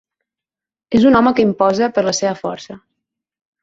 És un home que imposa per la seva força.